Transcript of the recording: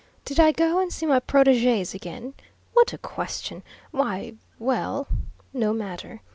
"Did I go and see my proteges again? What a question! Why well, no matter.